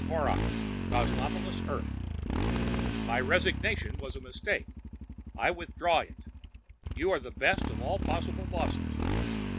Horrocks, Cosmopolis, Earth MY RESIGNATION IS A MISTAKE. I WITHDRAW IT. YOU ARE BEST OF ALL POSSIBLE BOSSES.